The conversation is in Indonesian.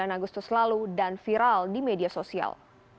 sembilan agustus lalu dan viral di media sosial